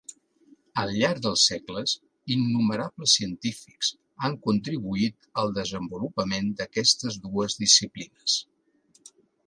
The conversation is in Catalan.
Al llarg dels segles, innumerables científics han contribuït al desenvolupament d'aquestes dues disciplines.